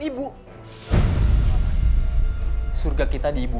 ibu kaki palsu